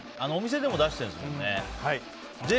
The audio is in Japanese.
お店でも出しているんですもんね。